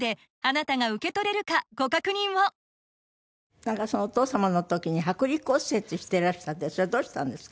なんかそのお父様の時に剥離骨折していらしたってそれはどうしたんですか？